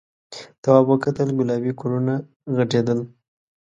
تواب وکتل گلابي کورونه غټېدل.